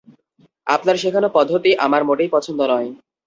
আপনার শেখানোর পদ্ধতি আমার মোটেই পছন্দ নয়।